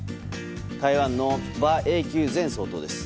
台湾の馬英九前総統です。